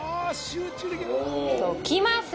置きます！